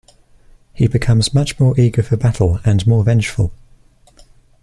He becomes much more eager for battle and more vengeful.